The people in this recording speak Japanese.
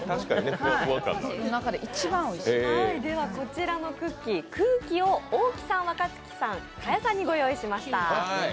こちらのクッキー、「ＣＵＫＩ−空気−」を大木さん、若槻さん、賀屋さんにご用意しまし。